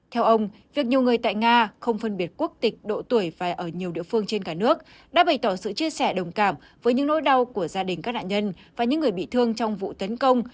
theo ông việc nhiều người tại nga không phân biệt quốc tịch độ tuổi phải ở nhiều địa phương trên cả nước đã bày tỏ sự chia sẻ đồng cảm với những nỗi đau của gia đình các nạn nhân và những người bị thương trong vụ tấn công